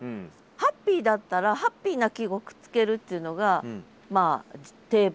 ハッピーだったらハッピーな季語くっつけるっていうのがまあ定番。